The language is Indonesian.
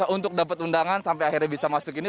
untuk dapat undangan sampai akhirnya bisa masuk ini